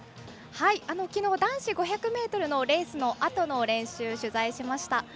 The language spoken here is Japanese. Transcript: きのう、男子５００ｍのレースのあとの練習を取材しました。